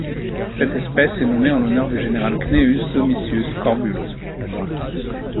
Cette espèce est nommée en l'honneur du général Cnaeus Domitius Corbulo.